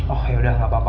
oh yaudah gak apa apa